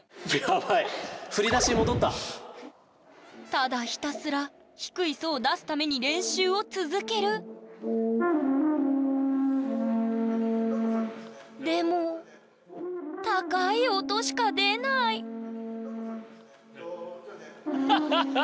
ただひたすら「低いソ」を出すために練習を続けるでも高い音しか出ないハハハハッ！